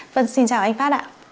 vâng xin chào anh phát ạ